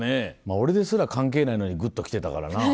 俺ですら関係ないのにグッと来てたからなぁ。